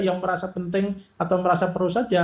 yang merasa penting atau merasa perlu saja